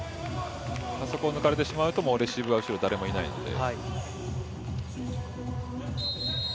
そこを抜かれてしまうとレシーブが後ろ、誰もいないので。